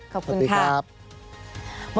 ขอบคุณครับ